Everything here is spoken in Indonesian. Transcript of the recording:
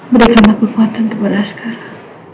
berikanlah kekuatan kepada asgara